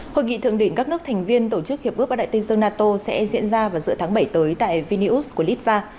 hội nghị thượng đỉnh các nước thành viên tổ chức hiệp ước và đại tinh dân nato sẽ diễn ra vào giữa tháng bảy tới tại vinnius của litva